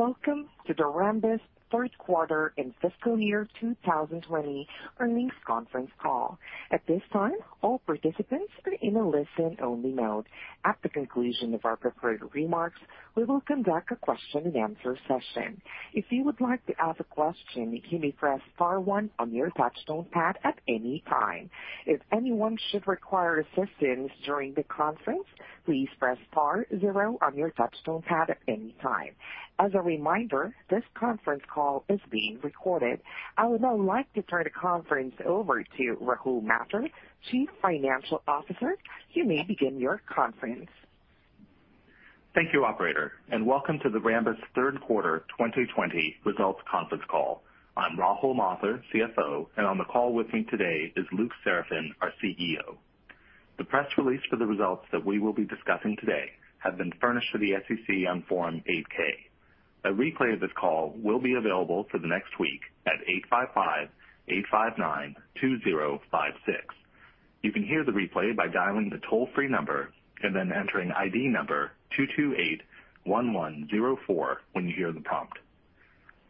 Welcome to the Rambus third quarter in fiscal year 2020 earnings conference call. At the conclusion of our prepared remarks, we will conduct a question and answer session. As a reminder, this conference call is being recorded. I would now like to turn the conference over to Rahul Mathur, Chief Financial Officer. You may begin your conference. Thank you, operator, and welcome to the Rambus third quarter 2020 results conference call. I'm Rahul Mathur, CFO, and on the call with me today is Luc Seraphin, our CEO. The press release for the results that we will be discussing today have been furnished to the SEC on Form 8-K. A replay of this call will be available for the next week at 855-859-2056. You can hear the replay by dialing the toll-free number and then entering ID number 2281104 when you hear the prompt.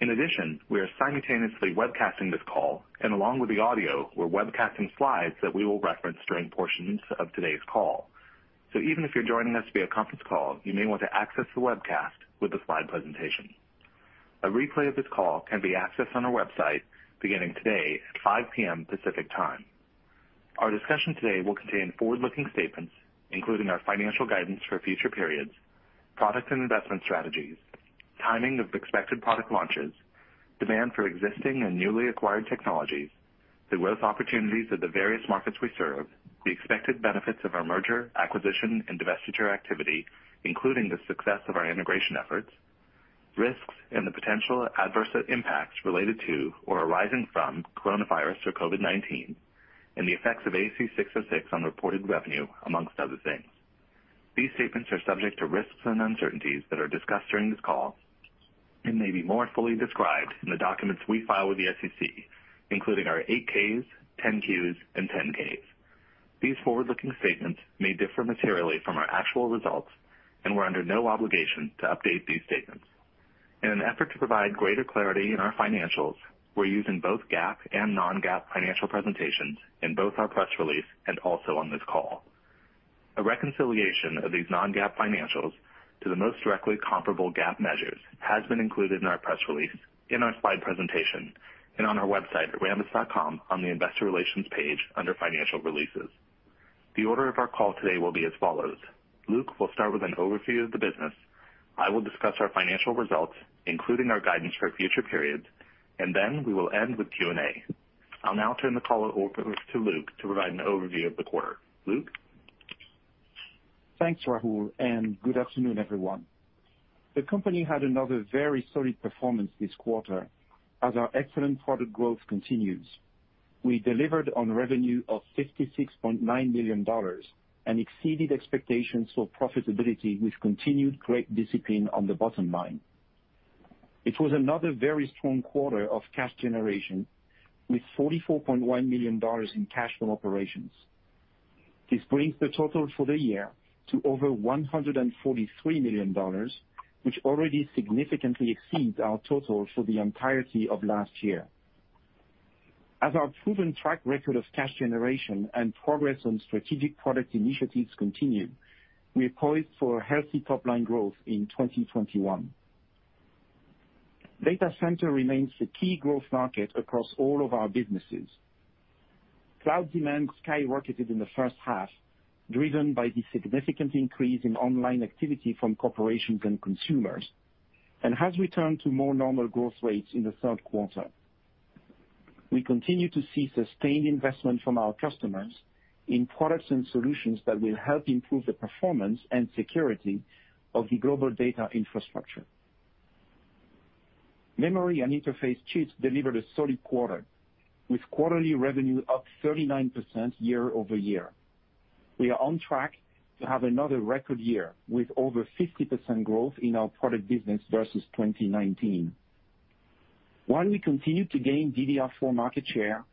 We are simultaneously webcasting this call, and along with the audio, we're webcasting slides that we will reference during portions of today's call. Even if you're joining us via conference call, you may want to access the webcast with the slide presentation. A replay of this call can be accessed on our website beginning today at 5:00 P.M. Pacific Time. Our discussion today will contain forward-looking statements, including our financial guidance for future periods, product and investment strategies, timing of expected product launches, demand for existing and newly acquired technologies, the growth opportunities of the various markets we serve, the expected benefits of our merger, acquisition, and divestiture activity, including the success of our integration efforts, risks and the potential adverse impacts related to or arising from coronavirus or COVID-19, and the effects of ASC 606 on reported revenue, amongst other things. These statements are subject to risks and uncertainties that are discussed during this call and may be more fully described in the documents we file with the SEC, including our 8-Ks, 10-Qs, and 10-Ks. These forward-looking statements may differ materially from our actual results. We're under no obligation to update these statements. In an effort to provide greater clarity in our financials, we're using both GAAP and non-GAAP financial presentations in both our press release and also on this call. A reconciliation of these non-GAAP financials to the most directly comparable GAAP measures has been included in our press release, in our slide presentation, and on our website at rambus.com on the investor relations page under financial releases. The order of our call today will be as follows. Luc will start with an overview of the business. I will discuss our financial results, including our guidance for future periods. Then we will end with Q&A. I'll now turn the call over to Luc to provide an overview of the quarter. Luc? Thanks, Rahul, and good afternoon, everyone. The company had another very solid performance this quarter as our excellent product growth continues. We delivered on revenue of $56.9 million and exceeded expectations for profitability with continued great discipline on the bottom line. It was another very strong quarter of cash generation with $44.1 million in cash from operations. This brings the total for the year to over $143 million, which already significantly exceeds our total for the entirety of last year. As our proven track record of cash generation and progress on strategic product initiatives continue, we are poised for healthy top-line growth in 2021. Data center remains the key growth market across all of our businesses. Cloud demand skyrocketed in the first half, driven by the significant increase in online activity from corporations and consumers, and has returned to more normal growth rates in the third quarter. We continue to see sustained investment from our customers in products and solutions that will help improve the performance and security of the global data infrastructure. Memory and interface chips delivered a solid quarter, with quarterly revenue up 39% year-over-year. We are on track to have another record year, with over 50% growth in our product business versus 2019. While we continue to gain DDR4 market share,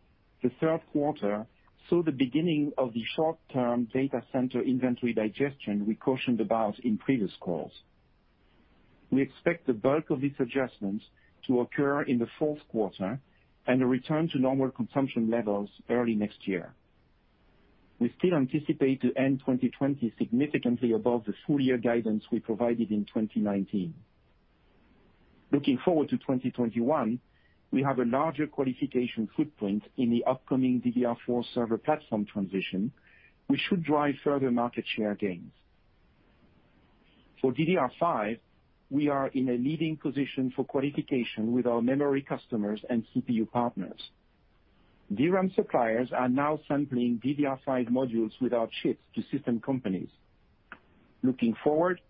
the third quarter saw the beginning of the short-term data center inventory digestion we cautioned about in previous calls. We expect the bulk of this adjustment to occur in the fourth quarter and a return to normal consumption levels early next year. We still anticipate to end 2020 significantly above the full-year guidance we provided in 2019. Looking forward to 2021, we have a larger qualification footprint in the upcoming DDR4 server platform transition, which should drive further market share gains. For DDR5, we are in a leading position for qualification with our memory customers and CPU partners. DRAM suppliers are now sampling DDR5 modules with our chips to system companies. Looking forward,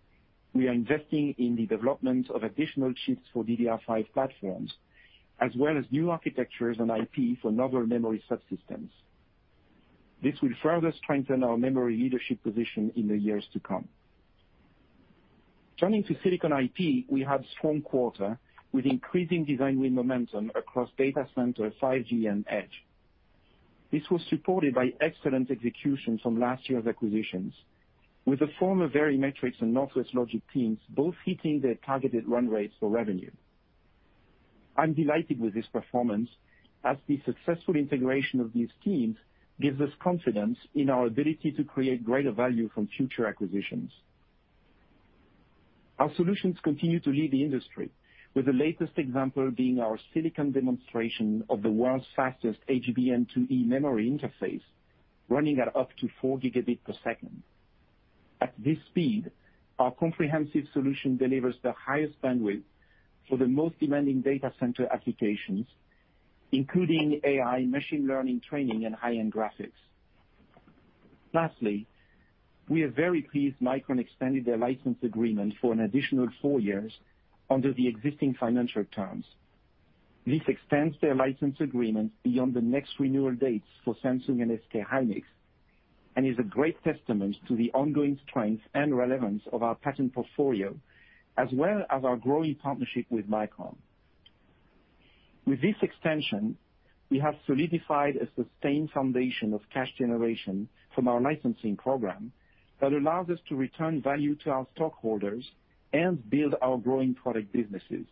we are investing in the development of additional chips for DDR5 platforms, as well as new architectures and IP for novel memory subsystems. This will further strengthen our memory leadership position in the years to come. Turning to silicon IP, we had a strong quarter with increasing design win momentum across data center, 5G, and edge. This was supported by excellent execution from last year's acquisitions, with the former Verimatrix and Northwest Logic teams both hitting their targeted run rates for revenue. I'm delighted with this performance, as the successful integration of these teams gives us confidence in our ability to create greater value from future acquisitions. Our solutions continue to lead the industry, with the latest example being our silicon demonstration of the world's fastest HBM2E memory interface, running at up to 4 Gbps. At this speed, our comprehensive solution delivers the highest bandwidth for the most demanding data center applications, including AI, machine learning training, and high-end graphics. Lastly, we are very pleased Micron extended their license agreement for an additional four years under the existing financial terms. This extends their license agreement beyond the next renewal dates for Samsung and SK hynix, and is a great testament to the ongoing strength and relevance of our patent portfolio, as well as our growing partnership with Micron. With this extension, we have solidified a sustained foundation of cash generation from our licensing program that allows us to return value to our stockholders and build our growing product businesses.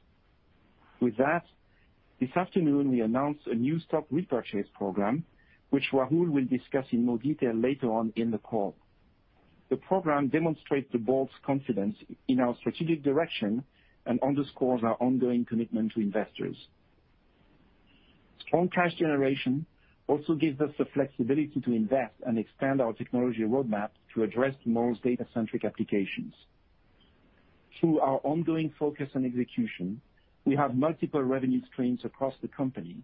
With that, this afternoon we announced a new stock repurchase program, which Rahul will discuss in more detail later on in the call. The program demonstrates the board's confidence in our strategic direction and underscores our ongoing commitment to investors. Strong cash generation also gives us the flexibility to invest and expand our technology roadmap to address tomorrow's data-centric applications. Through our ongoing focus on execution, we have multiple revenue streams across the company,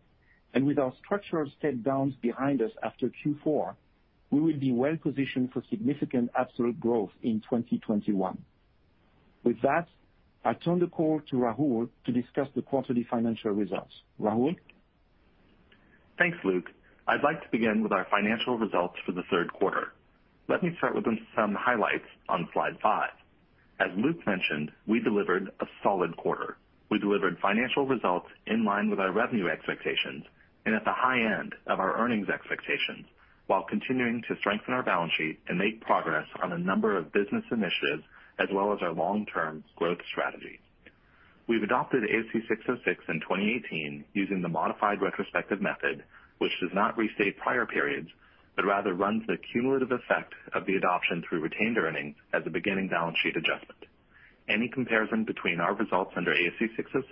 and with our structural step-downs behind us after Q4, we will be well positioned for significant absolute growth in 2021. With that, I turn the call to Rahul to discuss the quarterly financial results. Rahul? Thanks, Luc. I'd like to begin with our financial results for the third quarter. Let me start with some highlights on slide five. As Luc mentioned, we delivered a solid quarter. We delivered financial results in line with our revenue expectations and at the high end of our earnings expectations, while continuing to strengthen our balance sheet and make progress on a number of business initiatives, as well as our long-term growth strategy. We've adopted ASC 606 in 2018 using the modified retrospective method, which does not restate prior periods, but rather runs the cumulative effect of the adoption through retained earnings as a beginning balance sheet adjustment. Any comparison between our results under ASC 606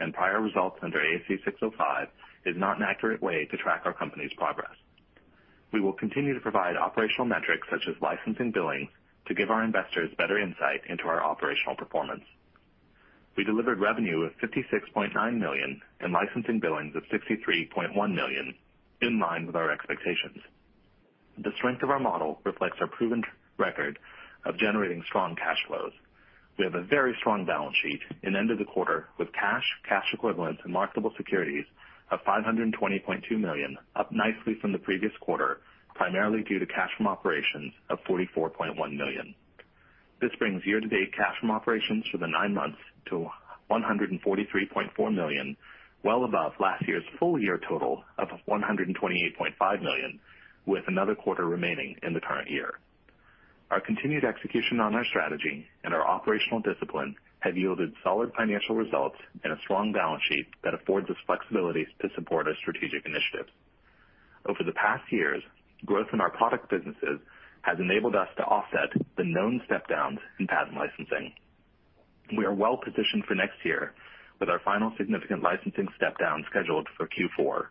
and prior results under ASC 605 is not an accurate way to track our company's progress. We will continue to provide operational metrics such as licensing billings to give our investors better insight into our operational performance. We delivered revenue of $56.9 million and licensing billings of $63.1 million, in line with our expectations. The strength of our model reflects our proven track record of generating strong cash flows. We have a very strong balance sheet and ended the quarter with cash equivalents, and marketable securities of $520.2 million, up nicely from the previous quarter, primarily due to cash from operations of $44.1 million. This brings year-to-date cash from operations for the nine months to $143.4 million, well above last year's full year total of $128.5 million, with another quarter remaining in the current year. Our continued execution on our strategy and our operational discipline have yielded solid financial results and a strong balance sheet that affords us flexibility to support our strategic initiatives. Over the past years, growth in our product businesses has enabled us to offset the known step-downs in patent licensing. We are well positioned for next year with our final significant licensing step-down scheduled for Q4.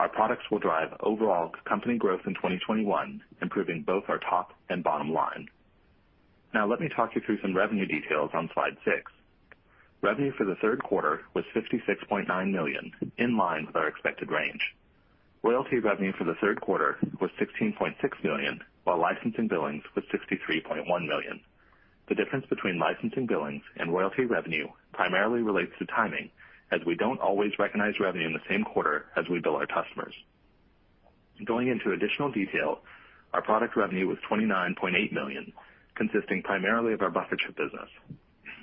Our products will drive overall company growth in 2021, improving both our top and bottom line. Now let me talk you through some revenue details on slide six. Revenue for the third quarter was $56.9 million, in line with our expected range. Royalty revenue for the third quarter was $16.6 million, while licensing billings was $63.1 million. The difference between licensing billings and royalty revenue primarily relates to timing, as we don't always recognize revenue in the same quarter as we bill our customers. Going into additional detail, our product revenue was $29.8 million, consisting primarily of our buffer chip business.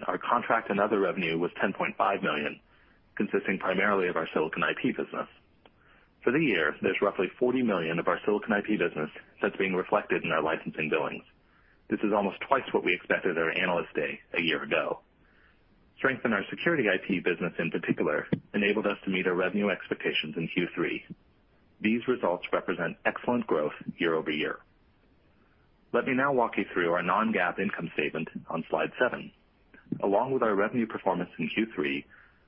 Our contract and other revenue was $10.5 million, consisting primarily of our silicon IP business. For the year, there's roughly $40 million of our silicon IP business that's being reflected in our licensing billings. This is almost twice what we expected at our Analyst Day a year ago. Strength in our security IP business in particular enabled us to meet our revenue expectations in Q3. These results represent excellent growth year-over-year. Let me now walk you through our non-GAAP income statement on slide seven. Along with our revenue performance in Q3,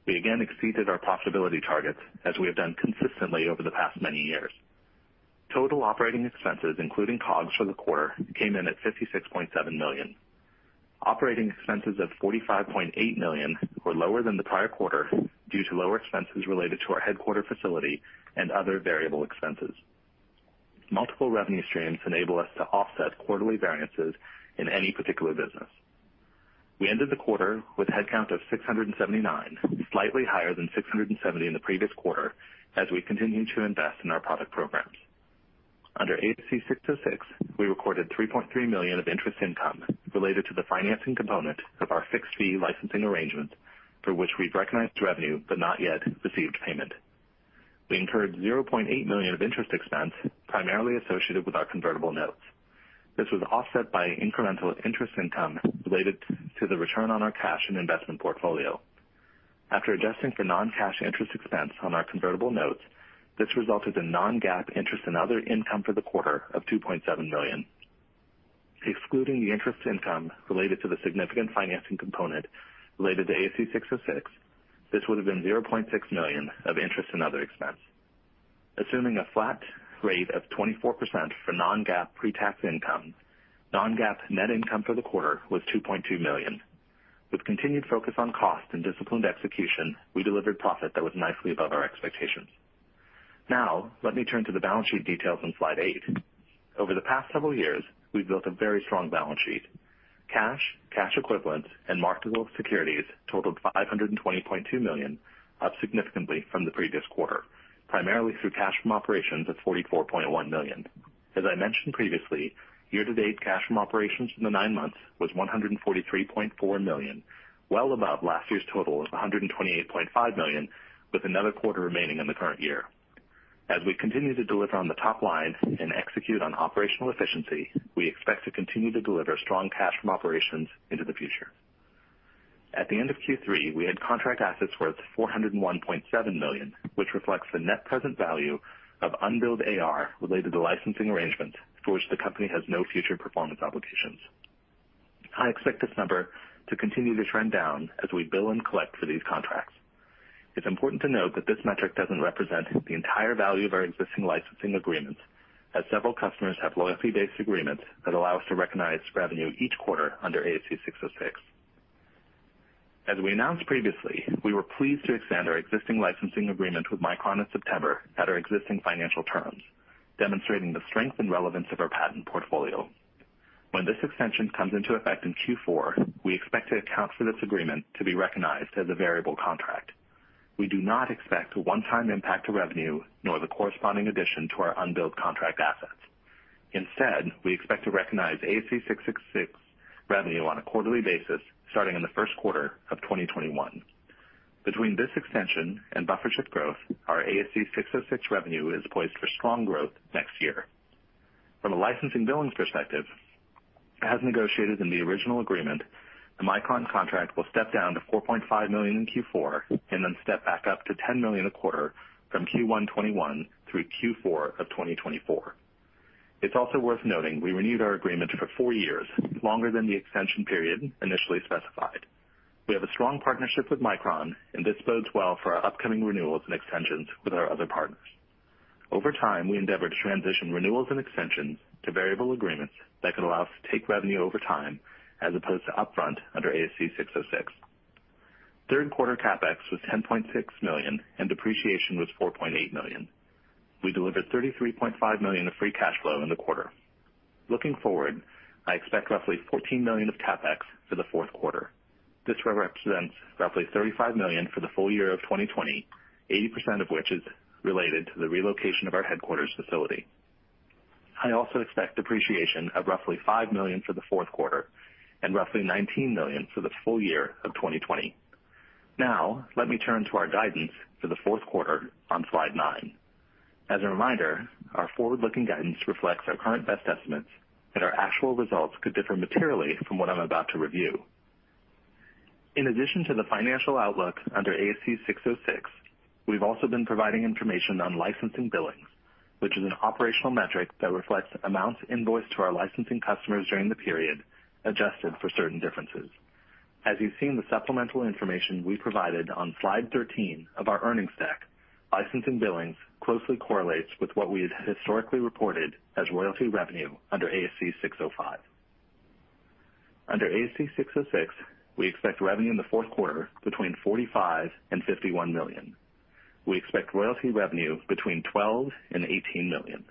we again exceeded our profitability targets as we have done consistently over the past many years. Total operating expenses, including COGS for the quarter, came in at $56.7 million. Operating expenses of $45.8 million were lower than the prior quarter due to lower expenses related to our headquarter facility and other variable expenses. Multiple revenue streams enable us to offset quarterly variances in any particular business. We ended the quarter with headcount of 679, slightly higher than 670 in the previous quarter, as we continue to invest in our product programs. Under ASC 606, we recorded $3.3 million of interest income related to the financing component of our fixed-fee licensing arrangement, for which we've recognized revenue but not yet received payment. We incurred $0.8 million of interest expense, primarily associated with our convertible notes. This was offset by incremental interest income related to the return on our cash and investment portfolio. After adjusting for non-cash interest expense on our convertible notes, this resulted in non-GAAP interest and other income for the quarter of $2.7 million. Excluding the interest income related to the significant financing component related to ASC 606, this would have been $0.6 million of interest and other expense. Assuming a flat rate of 24% for non-GAAP pre-tax income, non-GAAP net income for the quarter was $2.2 million. With continued focus on cost and disciplined execution, we delivered profit that was nicely above our expectations. Now let me turn to the balance sheet details on slide eight. Over the past several years, we've built a very strong balance sheet. Cash, cash equivalents, and marketable securities totaled $520.2 million, up significantly from the previous quarter, primarily through cash from operations of $44.1 million. As I mentioned previously, year-to-date cash from operations in the nine months was $143.4 million, well above last year's total of $128.5 million, with another quarter remaining in the current year. As we continue to deliver on the top line and execute on operational efficiency, we expect to continue to deliver strong cash from operations into the future. At the end of Q3, we had contract assets worth $401.7 million, which reflects the net present value of unbilled AR related to licensing arrangements for which the company has no future performance obligations. I expect this number to continue to trend down as we bill and collect for these contracts. It's important to note that this metric doesn't represent the entire value of our existing licensing agreements, as several customers have royalty-based agreements that allow us to recognize revenue each quarter under ASC 606. As we announced previously, we were pleased to extend our existing licensing agreement with Micron in September at our existing financial terms, demonstrating the strength and relevance of our patent portfolio. When this extension comes into effect in Q4, we expect to account for this agreement to be recognized as a variable contract. We do not expect a one-time impact to revenue, nor the corresponding addition to our unbilled contract assets. Instead, we expect to recognize ASC 606 revenue on a quarterly basis starting in the first quarter of 2021. Between this extension and buffer chip growth, our ASC 606 revenue is poised for strong growth next year. From a licensing billings perspective, as negotiated in the original agreement, the Micron contract will step down to $4.5 million in Q4 and then step back up to $10 million a quarter from Q1 2021 through Q4 of 2024. It's also worth noting we renewed our agreement for four years, longer than the extension period initially specified. We have a strong partnership with Micron, and this bodes well for our upcoming renewals and extensions with our other partners. Over time, we endeavor to transition renewals and extensions to variable agreements that can allow us to take revenue over time as opposed to upfront under ASC 606. Third quarter CapEx was $10.6 million, and depreciation was $4.8 million. We delivered $33.5 million of free cash flow in the quarter. Looking forward, I expect roughly $14 million of CapEx for the fourth quarter. This represents roughly $35 million for the full year of 2020, 80% of which is related to the relocation of our headquarters facility. I also expect depreciation of roughly $5 million for the fourth quarter and roughly $19 million for the full year of 2020. Now let me turn to our guidance for the fourth quarter on slide nine. As a reminder, our forward-looking guidance reflects our current best estimates that our actual results could differ materially from what I'm about to review. In addition to the financial outlook under ASC 606, we've also been providing information on licensing billings, which is an operational metric that reflects amounts invoiced to our licensing customers during the period, adjusted for certain differences. As you've seen the supplemental information we provided on slide 13 of our earnings deck, licensing billings closely correlates with what we had historically reported as royalty revenue under ASC 605. Under ASC 606, we expect revenue in the fourth quarter between $45 million and $51 million. We expect royalty revenue between $12 million and $18 million.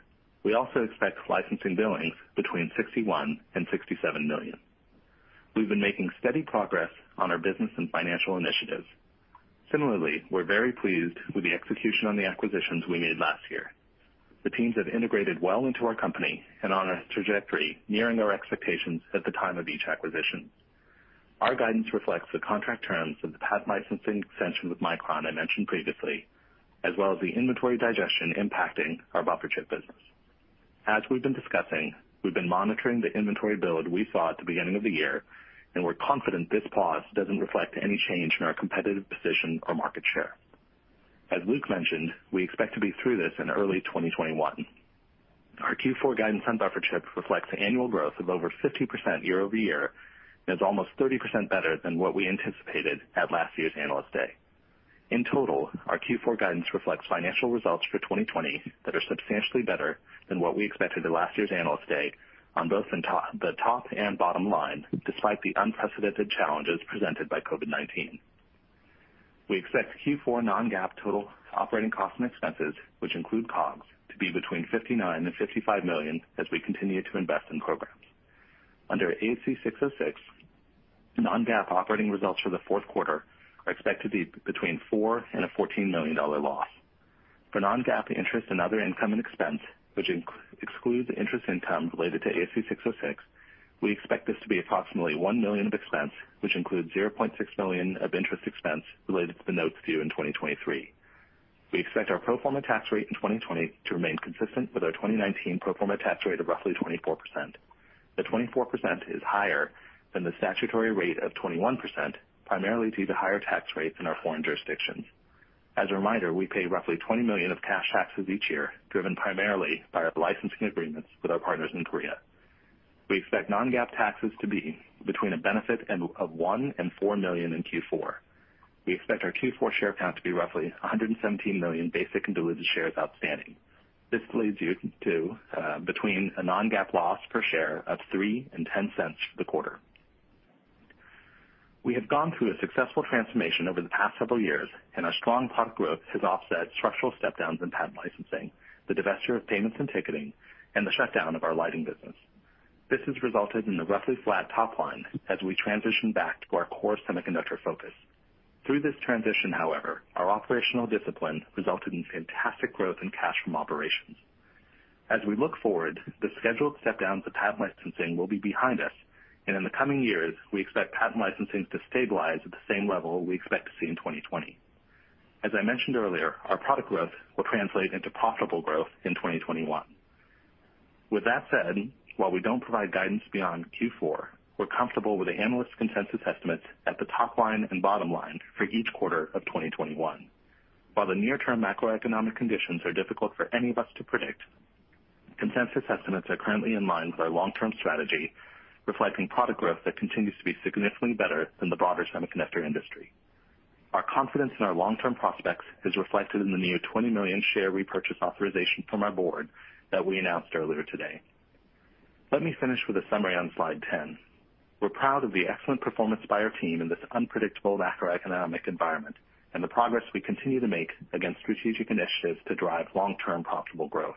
We also expect licensing billings between $61 million and $67 million. We've been making steady progress on our business and financial initiatives. Similarly, we're very pleased with the execution on the acquisitions we made last year. The teams have integrated well into our company and on a trajectory nearing our expectations at the time of each acquisition. Our guidance reflects the contract terms of the patent licensing extension with Micron I mentioned previously, as well as the inventory digestion impacting our buffer chip business. As we've been discussing, we've been monitoring the inventory build we saw at the beginning of the year, and we're confident this pause doesn't reflect any change in our competitive position or market share. As Luc mentioned, we expect to be through this in early 2021. Our Q4 guidance on buffer chips reflects annual growth of over 50% year-over-year and is almost 30% better than what we anticipated at last year's Analyst Day. In total, our Q4 guidance reflects financial results for 2020 that are substantially better than what we expected at last year's Analyst Day on both the top and bottom line, despite the unprecedented challenges presented by COVID-19. We expect Q4 non-GAAP total operating costs and expenses, which include COGS, to be between $59 million and $55 million as we continue to invest in programs. Under ASC 606, non-GAAP operating results for the fourth quarter are expected to be between $4 million and a $14 million loss. For non-GAAP interest and other income and expense, which excludes interest income related to ASC 606, we expect this to be approximately $1 million of expense, which includes $0.6 million of interest expense related to the notes due in 2023. We expect our pro forma tax rate in 2020 to remain consistent with our 2019 pro forma tax rate of roughly 24%. The 24% is higher than the statutory rate of 21%, primarily due to higher tax rates in our foreign jurisdictions. As a reminder, we pay roughly $20 million of cash taxes each year, driven primarily by our licensing agreements with our partners in Korea. We expect non-GAAP taxes to be between a benefit of $1 million and $4 million in Q4. We expect our Q4 share count to be roughly 117 million basic and diluted shares outstanding. This leads you to between a non-GAAP loss per share of $0.03 and $0.10 for the quarter. We have gone through a successful transformation over the past several years, and our strong product growth has offset structural step-downs in patent licensing, the divesture of payments and ticketing, and the shutdown of our lighting business. This has resulted in a roughly flat top line as we transition back to our core semiconductor focus. Through this transition, however, our operational discipline resulted in fantastic growth in cash from operations. As we look forward, the scheduled step-downs of patent licensing will be behind us, and in the coming years, we expect patent licensing to stabilize at the same level we expect to see in 2020. As I mentioned earlier, our product growth will translate into profitable growth in 2021. With that said, while we don't provide guidance beyond Q4, we're comfortable with the analyst consensus estimates at the top line and bottom line for each quarter of 2021. While the near-term macroeconomic conditions are difficult for any of us to predict, consensus estimates are currently in line with our long-term strategy, reflecting product growth that continues to be significantly better than the broader semiconductor industry. Our confidence in our long-term prospects is reflected in the new 20 million share repurchase authorization from our Board that we announced earlier today. Let me finish with a summary on slide 10. We're proud of the excellent performance by our team in this unpredictable macroeconomic environment and the progress we continue to make against strategic initiatives to drive long-term profitable growth.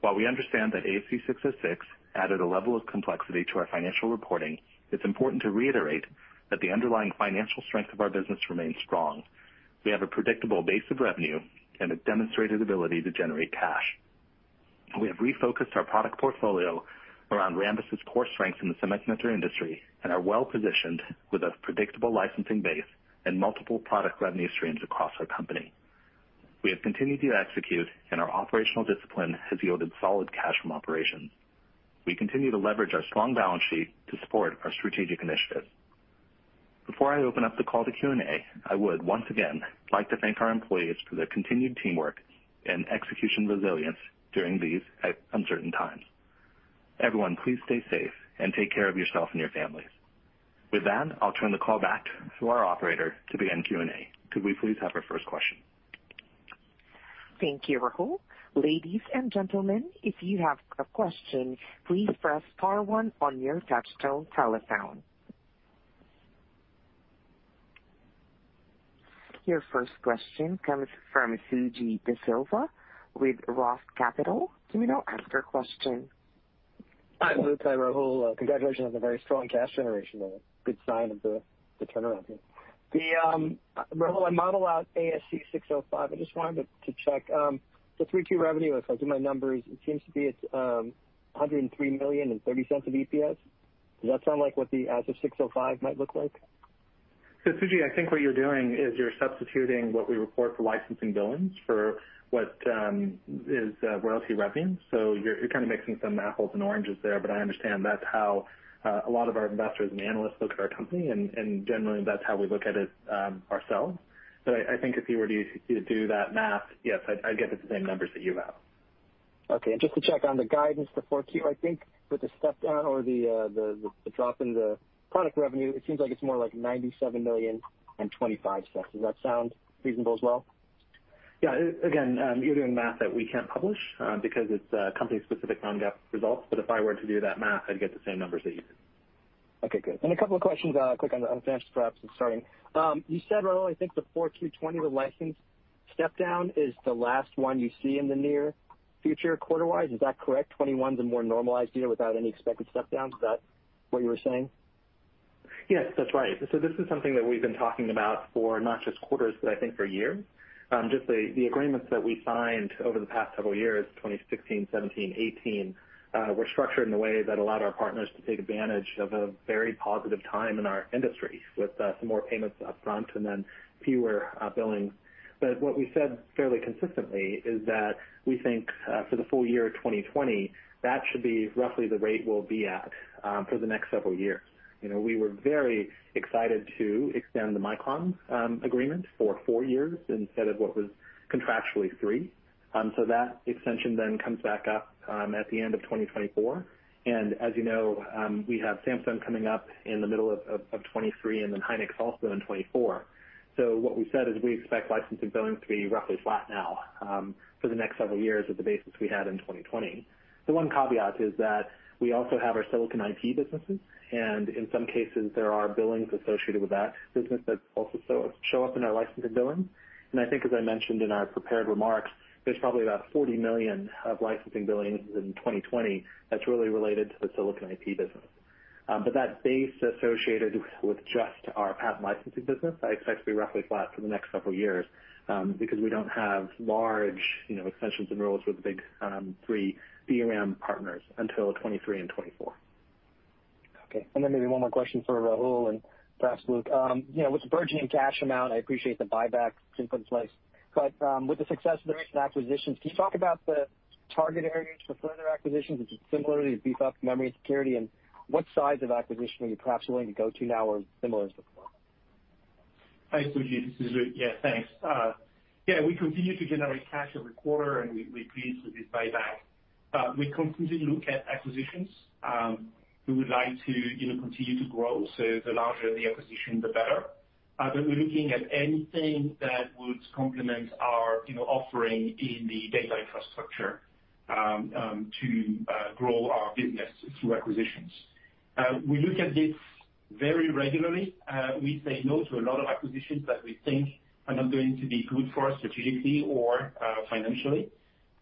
While we understand that ASC 606 added a level of complexity to our financial reporting, it's important to reiterate that the underlying financial strength of our business remains strong. We have a predictable base of revenue and a demonstrated ability to generate cash. We have refocused our product portfolio around Rambus' core strengths in the semiconductor industry and are well-positioned with a predictable licensing base and multiple product revenue streams across our company. We have continued to execute, and our operational discipline has yielded solid cash from operations. We continue to leverage our strong balance sheet to support our strategic initiatives. Before I open up the call to Q&A, I would once again like to thank our employees for their continued teamwork and execution resilience during these uncertain times. Everyone, please stay safe and take care of yourself and your families. With that, I'll turn the call back to our operator to begin Q&A. Could we please have our first question? Thank you, Rahul. Ladies and gentlemen, if you have a question, please press star one on your touchtone telephone. Your first question comes from Suji Desilva with ROTH Capital. You may now ask your question. Hi, Rahul. Congratulations on the very strong cash generation there. Good sign of the turnaround here. Rahul, I model out ASC 605. I just wanted to check. The 3Q revenue, if I do my numbers, it seems to be it's $103 million and $0.30 of EPS. Does that sound like what the ASC 605 might look like? Suji, I think what you're doing is you're substituting what we report for licensing billings for what is royalty revenue. You're kind of mixing some apples and oranges there, but I understand that's how a lot of our investors and analysts look at our company, and generally, that's how we look at it ourselves. I think if you were to do that math, yes, I'd get the same numbers that you have. Okay. Just to check on the guidance for 4Q, I think with the step-down or the drop in the product revenue, it seems like it's more like $97 million and $0.25. Does that sound reasonable as well? Yeah. Again, you're doing math that we can't publish because it's company-specific non-GAAP results. If I were to do that math, I'd get the same numbers that you did. Okay, good. A couple of questions quick on financial prospects starting. You said, Rahul, I think the 4Q 2020 license step-down is the last one you see in the near future quarter-wise. Is that correct? 2021's a more normalized year without any expected step-downs. Is that what you were saying? Yes, that's right. This is something that we've been talking about for not just quarters, but I think for years. Just the agreements that we signed over the past several years, 2016, 2017, 2018, were structured in a way that allowed our partners to take advantage of a very positive time in our industry with some more payments up front and then fewer billings. What we said fairly consistently is that we think, for the full year 2020, that should be roughly the rate we'll be at for the next several years. We were very excited to extend the Micron agreement for four years instead of what was contractually three. That extension then comes back up at the end of 2024. As you know, we have Samsung coming up in the middle of 2023 and then hynix also in 2024. What we said is we expect licensing billings to be roughly flat now for the next several years at the basis we had in 2020. The one caveat is that we also have our silicon IP businesses, and in some cases, there are billings associated with that business that also show up in our licensing billings. I think as I mentioned in our prepared remarks, there's probably about $40 million of licensing billings in 2020 that's really related to the silicon IP business. That base associated with just our patent licensing business, I expect to be roughly flat for the next several years, because we don't have large extensions and renewals with the big three DRAM partners until 2023 and 2024. Okay. Maybe one more question for Rahul and perhaps Luc. With the burgeoning cash amount, I appreciate the buyback since it was placed. With the success of the recent acquisitions, can you talk about the target areas for further acquisitions, which is similarly to beef up memory and security, and what size of acquisition are you perhaps willing to go to now, or similar as before? Hi, Suji. This is Luc. Thanks. We continue to generate cash every quarter, and we are pleased with this buyback. We constantly look at acquisitions. We would like to continue to grow. The larger the acquisition, the better. We're looking at anything that would complement our offering in the data infrastructure, to grow our business through acquisitions. We look at this very regularly. We say no to a lot of acquisitions that we think are not going to be good for us strategically or financially.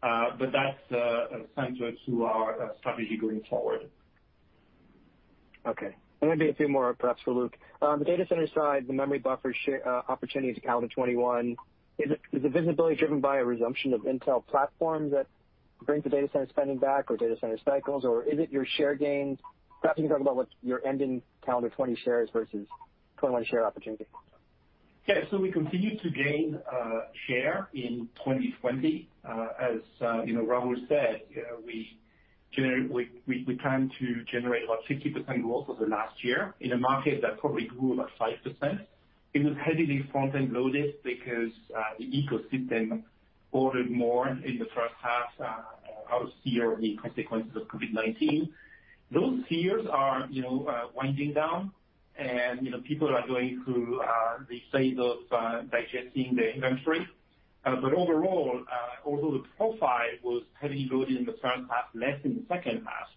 That's central to our strategy going forward. Okay. Maybe a few more, perhaps, for Luc. On the data center side, the memory buffer share opportunity to calendar 2021, is the visibility driven by a resumption of Intel platforms that bring the data center spending back or data center cycles, or is it your share gains? Perhaps you can talk about what your end in calendar 2020 share is versus 2021 share opportunity. We continue to gain share in 2020. As Rahul said, we claimed to generate about 50% growth over last year in a market that probably grew about 5%. It was heavily front-end loaded because the ecosystem ordered more in the first half, out of fear of the consequences of COVID-19. Those fears are winding down, and people are going through the phase of digesting the inventory. Overall, although the profile was heavily loaded in the first half, less in the second half,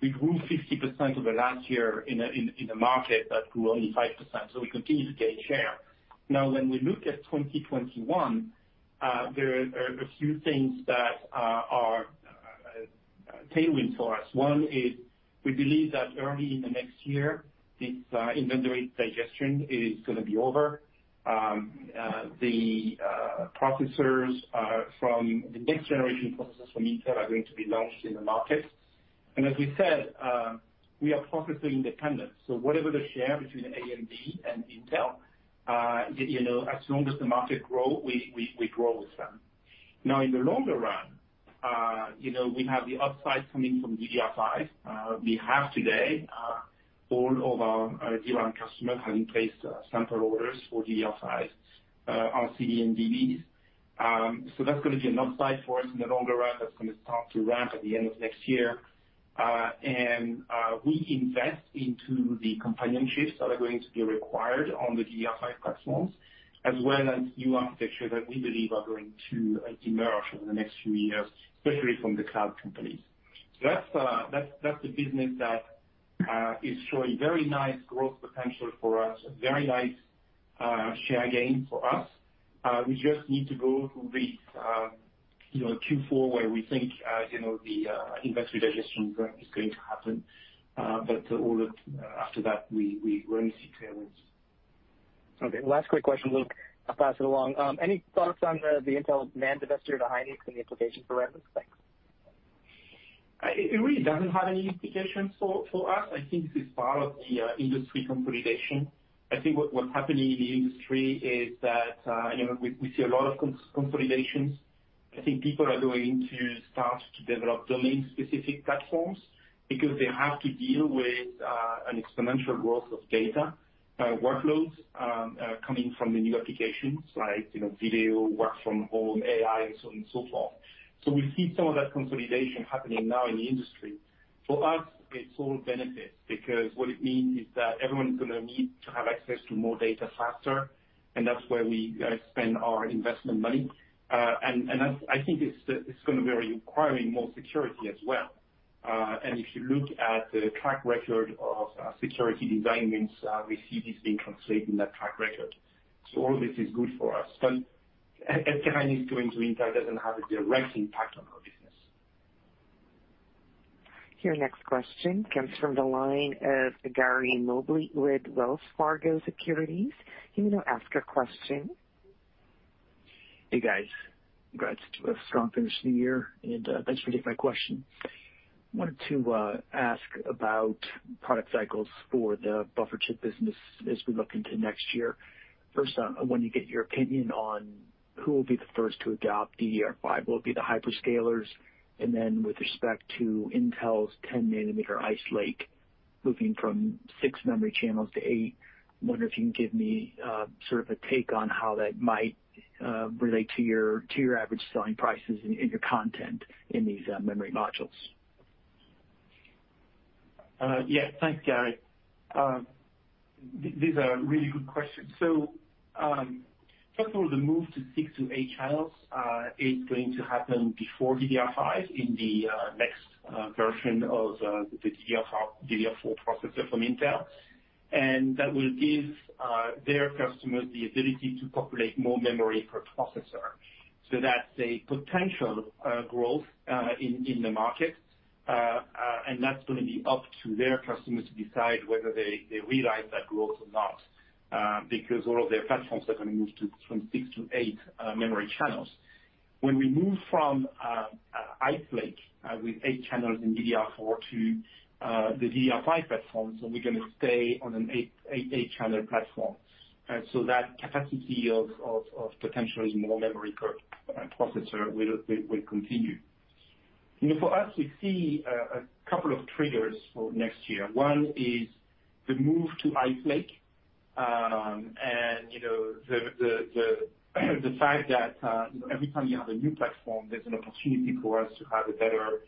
we grew 50% over last year in a market that grew only 5%. We continue to gain share. When we look at 2021, there are a few things that are a tailwind for us. One is we believe that early in the next year, this inventory digestion is going to be over. The next generation processors from Intel are going to be launched in the market. As we said, we are processor independent. Whatever the share between AMD and Intel, as long as the market grow, we grow with them. Now, in the longer run, we have the upside coming from DDR5. We have today all of our DRAM customers having placed sample orders for DDR5 on RCDs. That's going to be an upside for us in the longer run, that's going to start to ramp at the end of next year. We invest into the companion chips that are going to be required on the DDR5 platforms, as well as new architecture that we believe are going to emerge over the next few years, especially from the cloud companies. That's a business that is showing very nice growth potential for us, very nice share gain for us. We just need to go through this Q4, where we think the inventory digestion is going to happen. After that, we only see tailwinds. Okay, last quick question, Luc, I'll pass it along. Any thoughts on the Intel NAND divestiture, the hynix, and the implication for Rambus? Thanks. It really doesn't have any implications for us. I think this is part of the industry consolidation. I think what's happening in the industry is that we see a lot of consolidations. I think people are going to start to develop domain specific platforms because they have to deal with an exponential growth of data workloads coming from the new applications like video, work from home, AI, and so on and so forth. We see some of that consolidation happening now in the industry. For us, it's all benefit, because what it means is that everyone's going to need to have access to more data faster, and that's where we spend our investment money. I think it's going to be requiring more security as well. If you look at the track record of security design wins, we see this being translated in that track record. All this is good for us. SK hynix going to Intel doesn't have a direct impact on our business. Your next question comes from the line of Gary Mobley with Wells Fargo Securities. You may now ask your question. Hey, guys. Congrats to a strong finish to the year, and thanks for taking my question. Wanted to ask about product cycles for the buffer chip business as we look into next year. First, I want to get your opinion on who will be the first to adopt DDR5, will it be the hyperscalers? Then with respect to Intel's 10 nm Ice Lake, moving from six memory channels to eight, I wonder if you can give me sort of a take on how that might relate to your average selling prices and your content in these memory modules. Yeah. Thanks, Gary. These are really good questions. First of all, the move to six to eight channels is going to happen before DDR5 in the next version of the DDR4 processor from Intel. That will give their customers the ability to populate more memory per processor. That's a potential growth in the market. That's going to be up to their customers to decide whether they realize that growth or not, because all of their platforms are going to move from six to eight memory channels. When we move from Ice Lake, with eight channels in DDR4 to the DDR5 platforms, and we're going to stay on an eight-channel platform. That capacity of potentially more memory per processor will continue. For us, we see a couple of triggers for next year. One is the move to Ice Lake. The fact that every time you have a new platform, there's an opportunity for us to have a better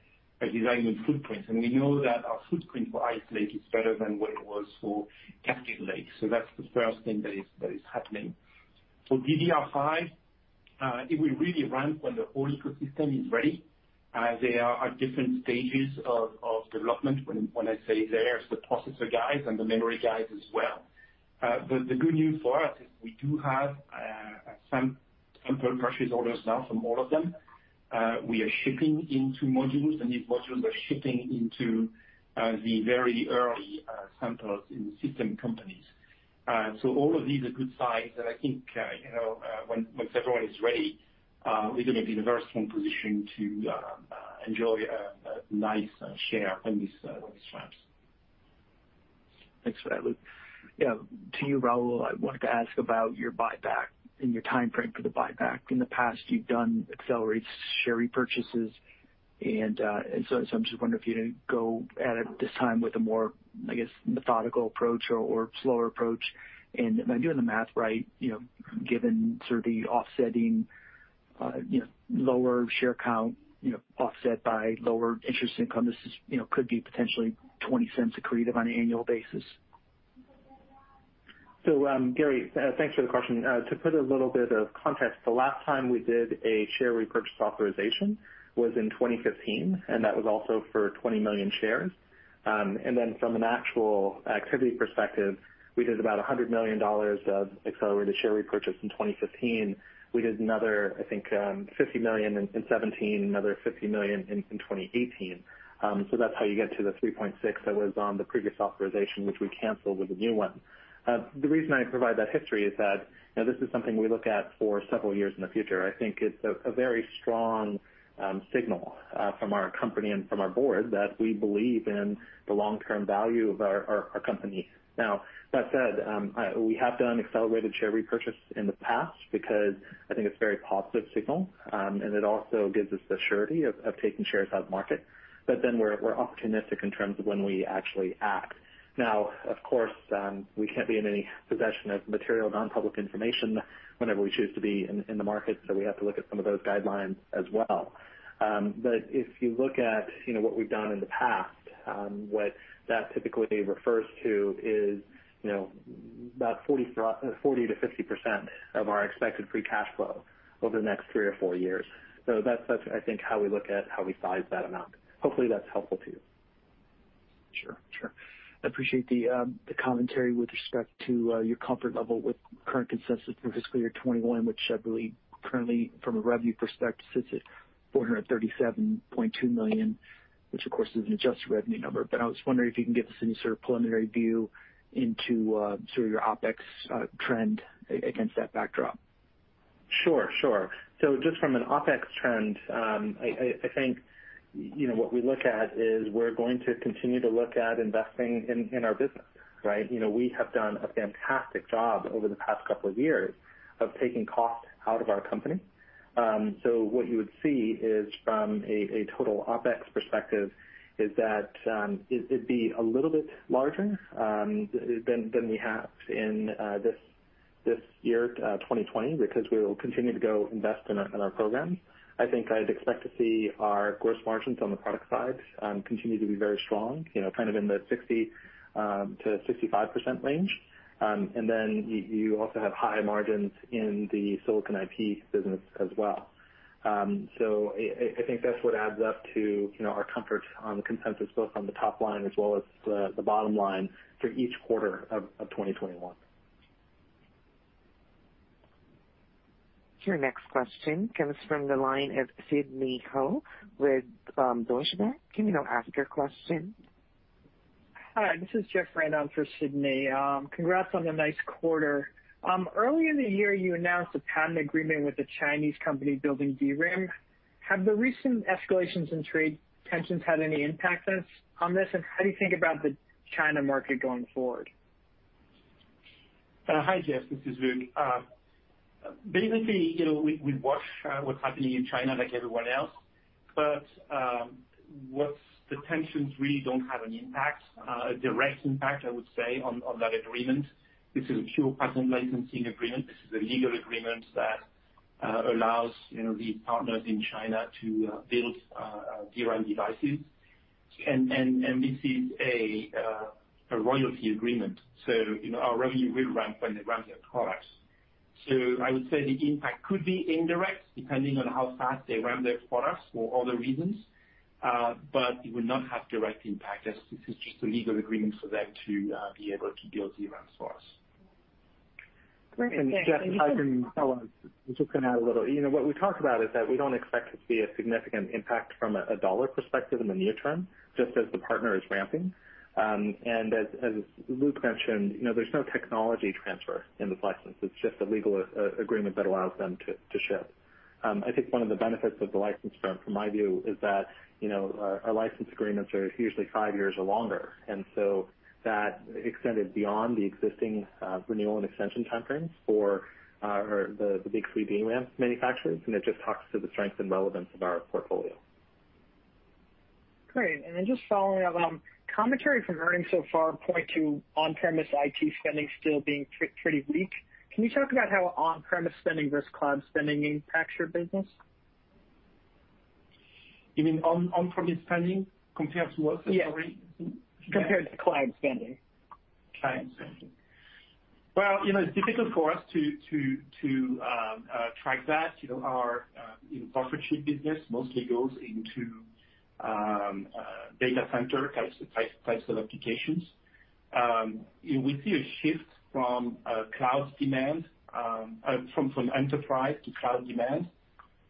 design win footprint. We know that our footprint for Ice Lake is better than what it was for Cascade Lake. That's the first thing that is happening. For DDR5, it will really ramp when the whole ecosystem is ready. They are at different stages of development. When I say they, it's the processor guys and the memory guys as well. The good news for us is we do have some purchase orders now from all of them. We are shipping into modules, and these modules are shipping into the very early samples in system companies. All of these are good signs, and I think when everyone is ready, we're going to be in a very strong position to enjoy a nice share on these ramps. Thanks for that, Luc. To you, Rahul, I wanted to ask about your buyback and your timeframe for the buyback. In the past, you've done accelerated share repurchases, and so I'm just wondering if you go at it this time with a more, I guess, methodical approach or slower approach. Am I doing the math right, given sort of the offsetting lower share count, offset by lower interest income, this could be potentially $0.20 accretive on an annual basis. Gary, thanks for the question. To put a little bit of context, the last time we did a share repurchase authorization was in 2015, and that was also for 20 million shares. From an actual activity perspective, we did about $100 million of accelerated share repurchase in 2015. We did another, I think, $50 million in 2017, another $50 million in 2018. That's how you get to the 3.6 that was on the previous authorization, which we canceled with the new one. The reason I provide that history is that this is something we look at for several years in the future. I think it's a very strong signal from our company and from our Board that we believe in the long-term value of our company. That said, we have done accelerated share repurchase in the past because I think it's a very positive signal, and it also gives us the surety of taking shares out of market. We're opportunistic in terms of when we actually act. Of course, we can't be in any possession of material non-public information whenever we choose to be in the market, so we have to look at some of those guidelines as well. If you look at what we've done in the past, what that typically refers to is about 40%-50% of our expected free cash flow over the next three or four years. That's I think, how we look at how we size that amount. Hopefully, that's helpful to you. Sure. I appreciate the commentary with respect to your comfort level with current consensus for fiscal year 2021, which I believe currently from a revenue perspective, sits at $437.2 million, which, of course, is an adjusted revenue number. I was wondering if you can give us any sort of preliminary view into your OpEx trend against that backdrop. Sure. Just from an OpEx trend, I think what we look at is we're going to continue to look at investing in our business, right? We have done a fantastic job over the past couple of years of taking cost out of our company. What you would see is from a total OpEx perspective, is that it'd be a little bit larger than we have in this year, 2020, because we will continue to go invest in our programs. I think I'd expect to see our gross margins on the product side continue to be very strong, kind of in the 60%-65% range. Then you also have high margins in the silicon IP business as well. I think that's what adds up to our comfort on the consensus, both on the top line as well as the bottom line for each quarter of 2021. Your next question comes from the line of Sidney Ho with Deutsche Bank. You may now ask your question. Hi, this is Jeff Rand on for Sidney. Congrats on a nice quarter. Early in the year, you announced a patent agreement with a Chinese company building DRAM. Have the recent escalations in trade tensions had any impact on this, and how do you think about the China market going forward? Hi, Jeff. This is Luc. Basically, we watch what's happening in China like everyone else, but the tensions really don't have an impact, a direct impact, I would say, on that agreement. This is a pure patent licensing agreement. This is a legal agreement that allows the partners in China to build DRAM devices. This is a royalty agreement. Our revenue will ramp when they ramp their products. I would say the impact could be indirect depending on how fast they ramp their products for other reasons, but it would not have direct impact as this is just a legal agreement for them to be able to build DRAMs for us. Great. Thanks. Jeff, hi from Rahul. I'm just going to add a little. What we talked about is that we don't expect to see a significant impact from a dollar perspective in the near term, just as the partner is ramping. As Luc mentioned, there's no technology transfer in this license. It's just a legal agreement that allows them to ship. I think one of the benefits of the license, from my view, is that our license agreements are usually five years or longer, and so that extended beyond the existing renewal and extension timeframes for the big three DRAM manufacturers, and it just talks to the strength and relevance of our portfolio. Great. Just following up, commentary from earnings so far point to on-premise IT spending still being pretty weak. Can you talk about how on-premise spending versus cloud spending impacts your business? You mean on-premise spending compared to what, sorry? Yeah. Compared to cloud spending. Cloud spending. Well, it's difficult for us to track that. Our buffer chip business mostly goes into data center types of applications. We see a shift from enterprise to cloud demand.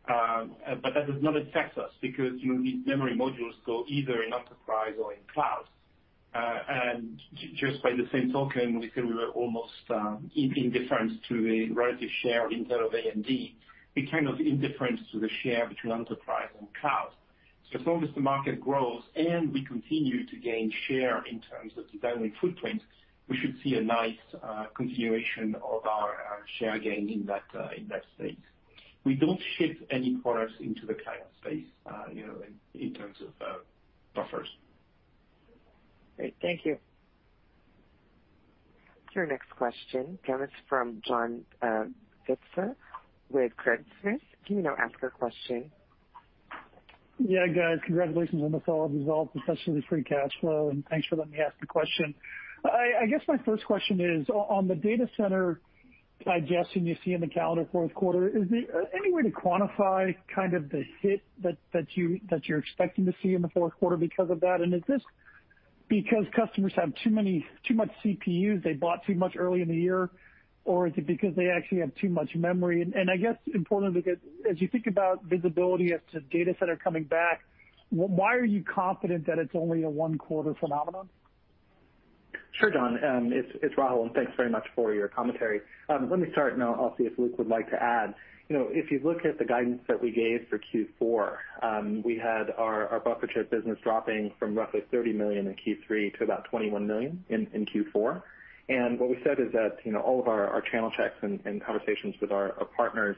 That does not affect us because these memory modules go either in enterprise or in cloud. Just by the same token, we said we were almost indifferent to the relative share in terms of AMD. We're kind of indifferent to the share between enterprise and cloud. As long as the market grows and we continue to gain share in terms of design win footprint, we should see a nice continuation of our share gain in that space. We don't ship any products into the cloud space, in terms of buffers. Great. Thank you. Your next question comes from John Pitzer with Credit Suisse. You may now ask your question. Yeah, guys. Congratulations on the solid results, especially free cash flow. Thanks for letting me ask the question. I guess my first question is, on the data center digestion you see in the calendar fourth quarter, is there any way to quantify kind of the hit that you're expecting to see in the fourth quarter because of that? Is this because customers have too much CPUs, they bought too much early in the year, or is it because they actually have too much memory? I guess importantly, as you think about visibility as to data center coming back, why are you confident that it's only a one quarter phenomenon? Sure, John. It's Rahul, thanks very much for your commentary. Let me start and I'll see if Luc would like to add. If you look at the guidance that we gave for Q4, we had our buffer chip business dropping from roughly $30 million in Q3 to about $21 million in Q4. What we said is that all of our channel checks and conversations with our partners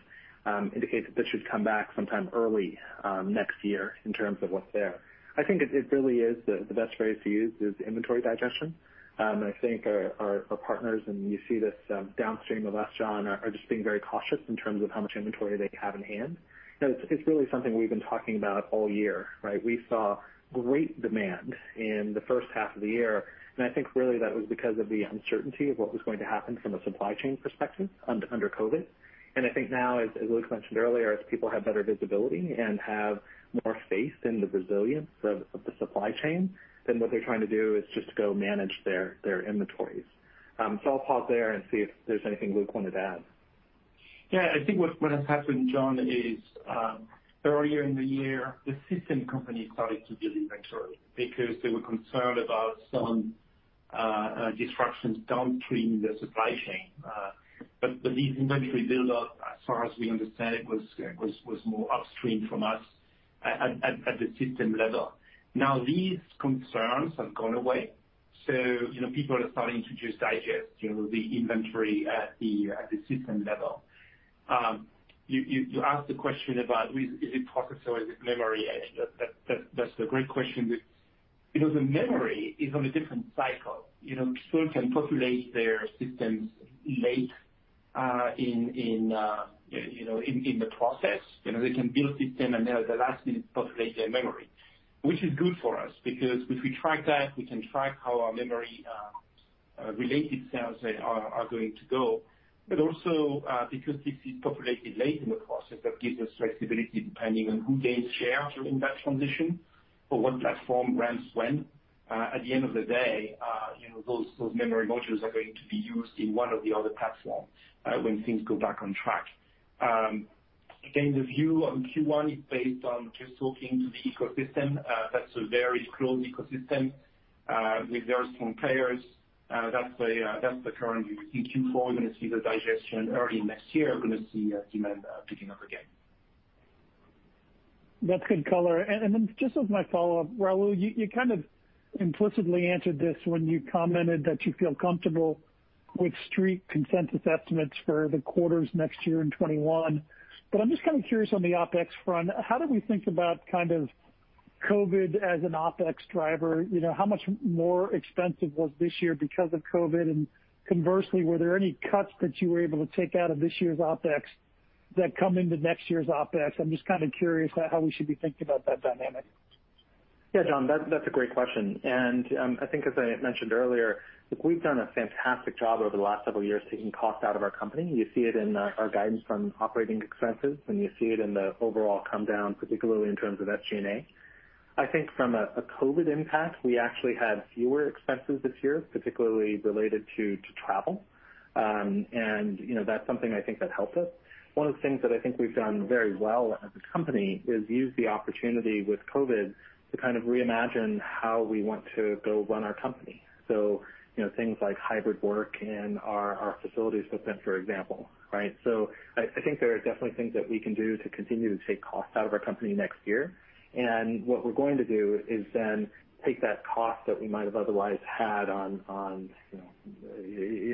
indicate that this should come back sometime early next year in terms of what's there. I think it really is the best phrase to use is inventory digestion. I think our partners, and you see this downstream of us, John, are just being very cautious in terms of how much inventory they have in hand. It's really something we've been talking about all year, right? We saw great demand in the first half of the year. I think really that was because of the uncertainty of what was going to happen from a supply chain perspective under COVID. I think now, as Luc mentioned earlier, as people have better visibility and have more faith in the resilience of the supply chain, what they're trying to do is just go manage their inventories. I'll pause there and see if there's anything Luc wanted to add. Yeah, I think what has happened, John, is, earlier in the year, the system companies started to build inventory because they were concerned about some disruptions downstream in the supply chain. This inventory buildup, as far as we understand, was more upstream from us at the system level. Now, these concerns have gone away, so people are starting to just digest the inventory at the system level. You asked the question about is it processor, is it memory? That's a great question. Because the memory is on a different cycle. People can populate their systems late in the process. They can build system and at the last minute populate their memory, which is good for us because if we track that, we can track how our memory related sales are going to go. Also, because this is populated late in the process, that gives us flexibility depending on who gains share during that transition or what platform ramps when. At the end of the day, those memory modules are going to be used in one of the other platforms when things go back on track. The view on Q1 is based on just talking to the ecosystem. That's a very closed ecosystem with very strong players. That's the current view. In Q4, we're going to see the digestion. Early next year, we're going to see demand picking up again. That's good color. Just as my follow-up, Rahul, you kind of implicitly answered this when you commented that you feel comfortable with street consensus estimates for the quarters next year in 2021. I'm just kind of curious on the OpEx front, how do we think about kind of COVID as an OpEx driver? How much more expensive was this year because of COVID? Conversely, were there any cuts that you were able to take out of this year's OpEx that come into next year's OpEx? I'm just kind of curious how we should be thinking about that dynamic. Yeah, John, that's a great question. I think as I mentioned earlier, look, we've done a fantastic job over the last several years taking cost out of our company. You see it in our guidance from operating expenses, and you see it in the overall come down, particularly in terms of SG&A. I think from a COVID impact, we actually had fewer expenses this year, particularly related to travel. That's something I think that helped us. One of the things that I think we've done very well as a company is use the opportunity with COVID to reimagine how we want to go run our company. Things like hybrid work and our facilities footprint, for example. I think there are definitely things that we can do to continue to take costs out of our company next year. What we're going to do is then take that cost that we might have otherwise had on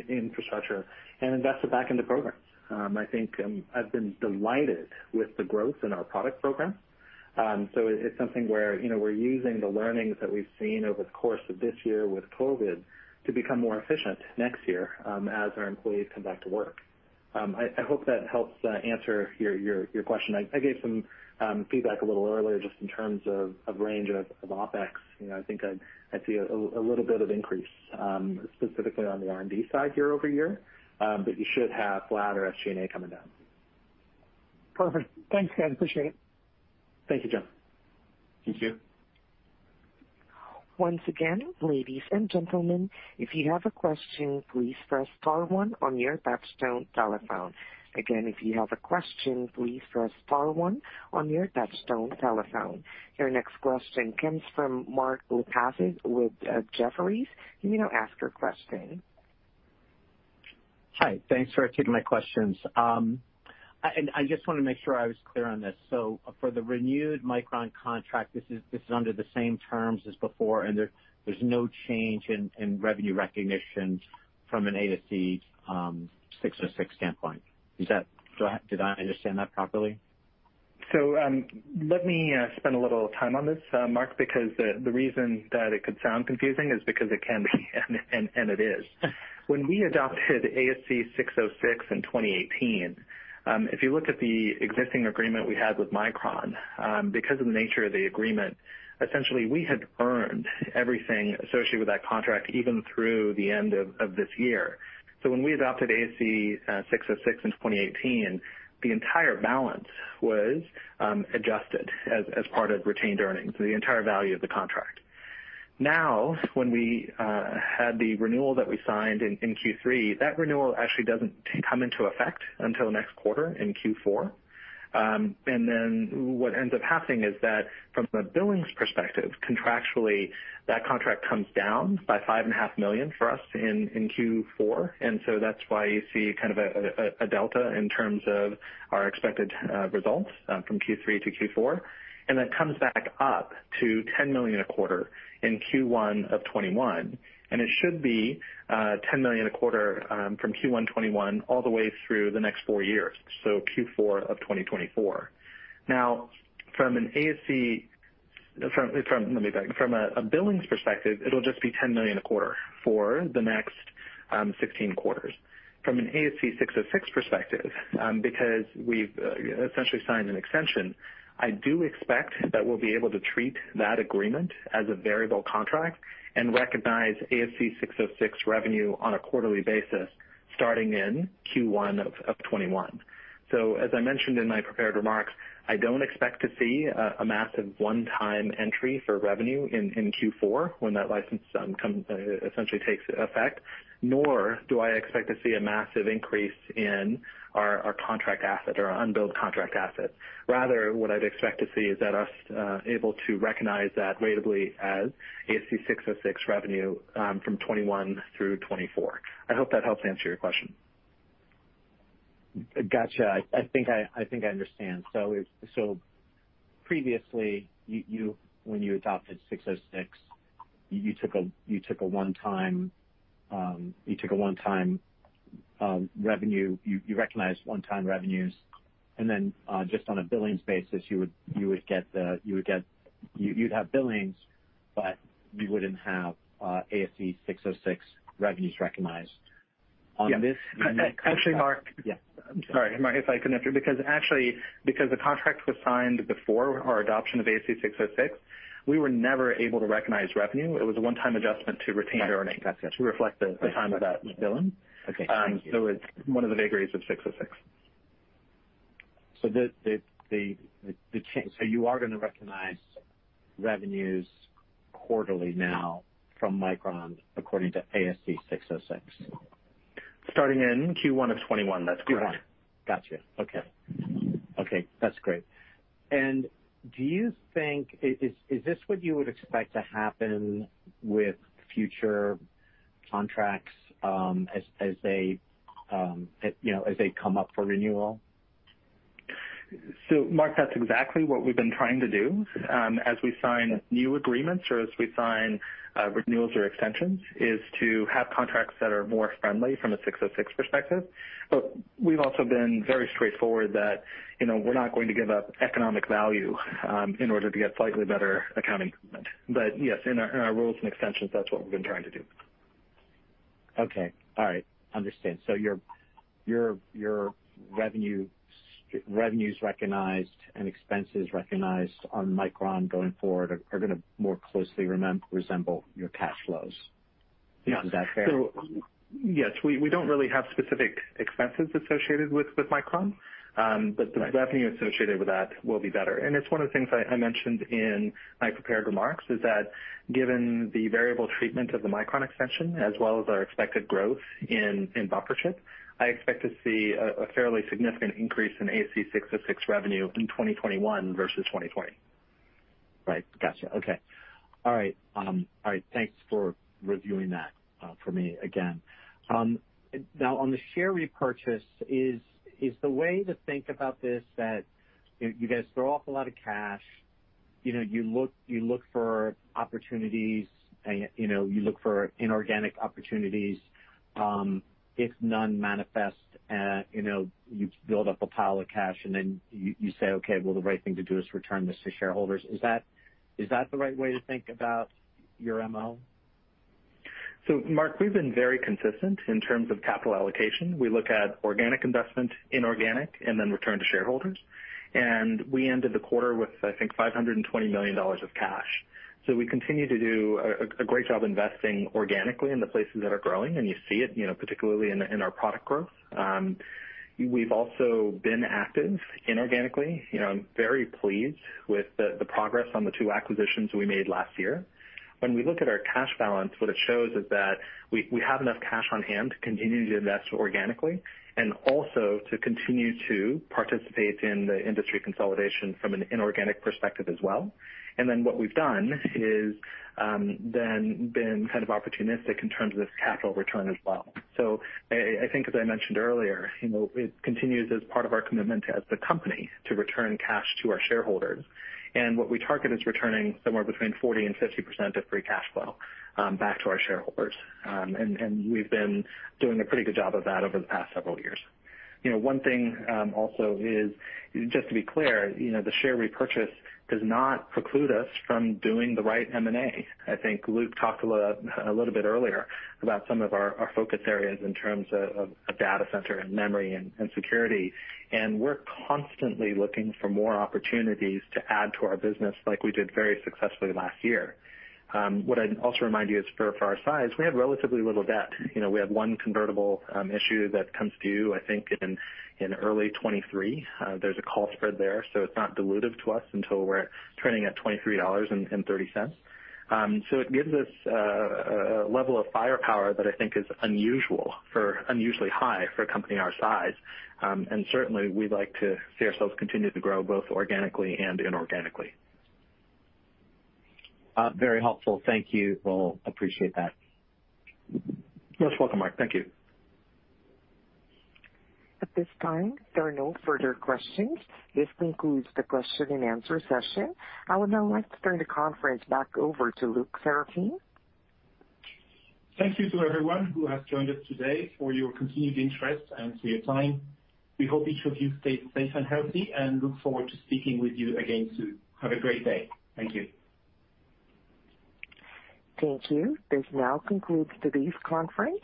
infrastructure and invest it back into programs. I've been delighted with the growth in our product programs. It's something where we're using the learnings that we've seen over the course of this year with COVID to become more efficient next year as our employees come back to work. I hope that helps answer your question. I gave some feedback a little earlier just in terms of range of OpEx. I think I'd see a little bit of increase, specifically on the R&D side year-over-year, but you should have flatter SG&A coming down. Perfect. Thanks, guys. Appreciate it. Thank you, John. Thank you. Your next question comes from Mark Lipacis with Jefferies. You may now ask your question. Hi. Thanks for taking my questions. I just want to make sure I was clear on this. For the renewed Micron contract, this is under the same terms as before, and there's no change in revenue recognition from an ASC 606 standpoint. Did I understand that properly? Let me spend a little time on this, Mark, because the reason that it could sound confusing is because it can be and it is. When we adopted ASC 606 in 2018, if you look at the existing agreement we had with Micron, because of the nature of the agreement, essentially, we had earned everything associated with that contract even through the end of this year. When we adopted ASC 606 in 2018, the entire balance was adjusted as part of retained earnings, the entire value of the contract. When we had the renewal that we signed in Q3, that renewal actually doesn't come into effect until next quarter in Q4. What ends up happening is that from a billings perspective, contractually, that contract comes down by $5.5 million for us in Q4, that's why you see a delta in terms of our expected results from Q3 to Q4. That comes back up to $10 million a quarter in Q1 of 2021, it should be $10 million a quarter from Q1 2021 all the way through the next four years, so Q4 of 2024. From a billings perspective, it'll just be $10 million a quarter for the next 16 quarters. From an ASC 606 perspective, because we've essentially signed an extension, I do expect that we'll be able to treat that agreement as a variable contract and recognize ASC 606 revenue on a quarterly basis starting in Q1 of 2021. As I mentioned in my prepared remarks, I don't expect to see a massive one-time entry for revenue in Q4 when that license essentially takes effect, nor do I expect to see a massive increase in our contract asset or unbilled contract asset. Rather, what I'd expect to see is that us able to recognize that ratably as ASC 606 revenue from 2021 through 2024. I hope that helps answer your question. Got you. I think I understand. Previously, when you adopted 606, you recognized one-time revenues, and then just on a billings basis, you'd have billings, but you wouldn't have ASC 606 revenues recognized. Yeah. You may- Actually, Mark. Yeah. Sorry, Mark, if I could interrupt you, because actually, because the contract was signed before our adoption of ASC 606, we were never able to recognize revenue. It was a one-time adjustment to retained earnings. Got you. to reflect the timing of that billing. Okay, thank you. It's one of the vagaries of 606. You are going to recognize revenues quarterly now from Micron according to ASC 606? Starting in Q1 of 2021, that's correct. Got you. Okay. That's great. Do you think, is this what you would expect to happen with future contracts as they come up for renewal? Mark, that's exactly what we've been trying to do as we sign new agreements or as we sign renewals or extensions, is to have contracts that are more friendly from a 606 perspective. We've also been very straightforward that we're not going to give up economic value in order to get slightly better accounting treatment. Yes, in our renewals and extensions, that's what we've been trying to do. Okay. All right. Understand. Your revenues recognized and expenses recognized on Micron going forward are going to more closely resemble your cash flows. Yes. Is that fair? Yes, we don't really have specific expenses associated with Micron, but the revenue associated with that will be better. It's one of the things I mentioned in my prepared remarks, is that given the variable treatment of the Micron extension as well as our expected growth in buffer chip, I expect to see a fairly significant increase in ASC 606 revenue in 2021 versus 2020. Right. Got you. Okay. All right. Thanks for reviewing that for me again. Now on the share repurchase, is the way to think about this that you guys throw off a lot of cash, you look for opportunities, you look for inorganic opportunities, if none manifest, you build up a pile of cash and then you say, "Okay, well, the right thing to do is return this to shareholders." Is that the right way to think about your MO? Mark, we've been very consistent in terms of capital allocation. We look at organic investment, inorganic, and then return to shareholders. We ended the quarter with, I think, $520 million of cash. We continue to do a great job investing organically in the places that are growing, and you see it particularly in our product growth. We've also been active inorganically. I'm very pleased with the progress on the two acquisitions we made last year. When we look at our cash balance, what it shows is that we have enough cash on hand to continue to invest organically and also to continue to participate in the industry consolidation from an inorganic perspective as well. What we've done is then been kind of opportunistic in terms of capital return as well. I think as I mentioned earlier, it continues as part of our commitment as the company to return cash to our shareholders. What we target is returning somewhere between 40% and 50% of free cash flow back to our shareholders. We've been doing a pretty good job of that over the past several years. One thing also is, just to be clear, the share repurchase does not preclude us from doing the right M&A. I think Luc talked a little bit earlier about some of our focus areas in terms of data center and memory and security. We're constantly looking for more opportunities to add to our business like we did very successfully last year. What I'd also remind you is for our size, we have relatively little debt. We have one convertible issue that comes due, I think, in early 2023. There's a call spread there, so it's not dilutive to us until we're trading at $23.30. It gives us a level of firepower that I think is unusually high for a company our size. Certainly, we'd like to see ourselves continue to grow both organically and inorganically. Very helpful. Thank you. Well, appreciate that. Most welcome, Mark. Thank you. At this time, there are no further questions. This concludes the question and answer session. I would now like to turn the conference back over to Luc Seraphin. Thank you to everyone who has joined us today for your continued interest and for your time. We hope each of you stays safe and healthy and look forward to speaking with you again soon. Have a great day. Thank you. Thank you. This now concludes today's conference.